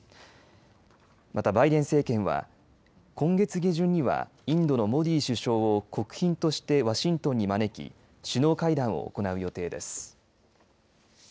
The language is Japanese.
また、バイデン政権は今月下旬にはインドのモディ首相を国賓としてワシントンに招き首脳会談を行う予定です。